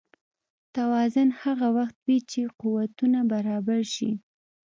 توازن هغه وخت وي چې قوتونه برابر شي.